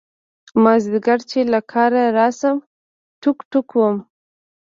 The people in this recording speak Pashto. مازدیگر چې له کاره راشم ټوک ټوک وم.